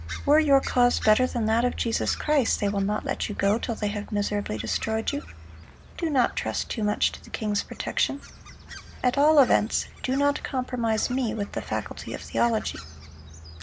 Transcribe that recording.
Were your cause better than that of Jesus Christ, they will not let you go till they have miserably destroyed you. Do not trust too much to the king's protection. At all events, do not compromise me with the faculty of theology."